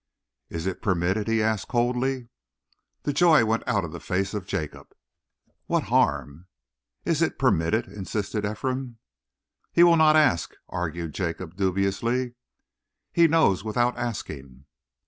"Is it permitted?" he asked coldly. The joy went out of the face of Jacob. "What harm?" "Is it permitted?" insisted Ephraim. "He will not ask," argued Jacob dubiously. "He knows without asking."